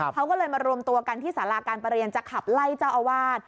เขาก็เลยมารวมตัวกันที่สาราการประเรียนจะขับไล่เจ้าอาวาส